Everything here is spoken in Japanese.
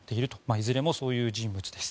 いずれもそういう人物です。